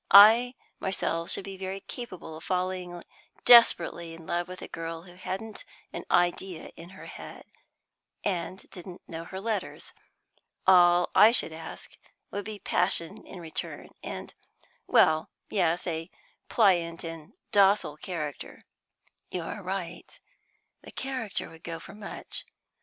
I myself should be very capable of falling desperately in love with a girl who hadn't an idea in her head, and didn't know her letters. All I should ask would be passion in return, and well, yes, a pliant and docile character." "You are right; the character would go for much.